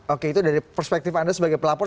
oke itu dari perspektif anda sebagai pelapor